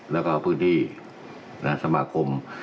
แล้วก็เอาพื้นที่สมัครกรม